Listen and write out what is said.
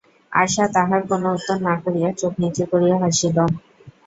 আশা তাহার কোনো উত্তর না করিয়া চোখ নিচু করিয়া হাসিল।